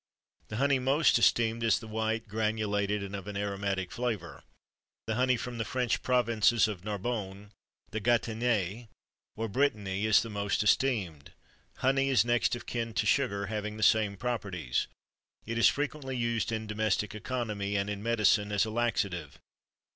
[XXIII 66] "The honey most esteemed is the white, granulated, and of an aromatic flavour. The honey from the French provinces of Narbonne, the Gatinais, or Britanny, is the most esteemed. Honey is next of kin to sugar, having the same properties. It is frequently used in domestic economy, and in medicine as a laxative.